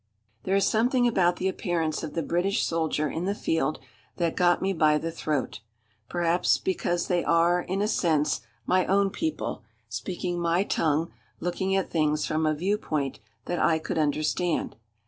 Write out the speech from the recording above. There is something about the appearance of the British soldier in the field that got me by the throat. Perhaps because they are, in a sense, my own people, speaking my tongue, looking at things from a view point that I could understand.